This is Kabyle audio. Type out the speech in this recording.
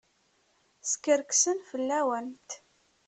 Skerksen fell-awent.